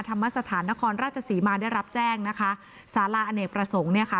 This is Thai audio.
ธรรมสถานนครราชศรีมาได้รับแจ้งนะคะสาราอเนกประสงค์เนี่ยค่ะ